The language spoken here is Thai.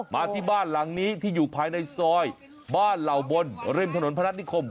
มาที่บ้านหลังนี้ที่อยู่ภายในซอยบ้านเหล่าบนริมถนนพนัฐนิคม